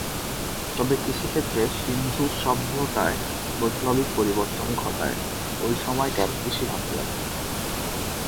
তবে কৃষিক্ষেত্রে সিন্ধু সভ্যতায় বৈপ্লবিক পরিবর্তন ঘটায়, ওই সময়কার কৃষি হাতিয়ার।